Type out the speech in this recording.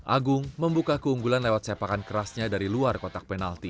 agung membuka keunggulan lewat sepakan kerasnya dari luar kotak penalti